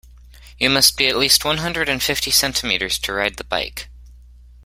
You must be at least one hundred and fifty centimeters to ride the bike.